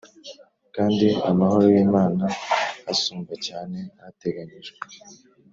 Kandi amahoro y’Imana asumba cyane ateganyijwe